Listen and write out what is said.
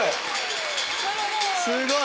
すごい！